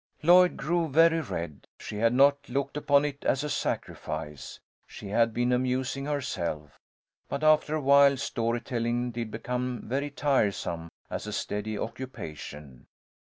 Lloyd grew very red. She had not looked upon it as a sacrifice. She had been amusing herself. But after awhile story telling did become very tiresome as a steady occupation.